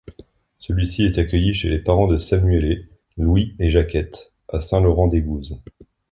Celui-ci est accueilli chez les parents de Samuelet, Louis et Jacquette, à Saint-Laurent-d'Aigouze.